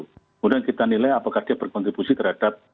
kemudian kita nilai apakah dia berkontribusi terhadap